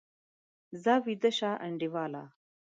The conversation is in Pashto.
ځه، ویده شه انډیواله!